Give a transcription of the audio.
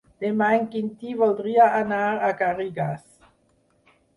Demà en Quintí voldria anar a Garrigàs.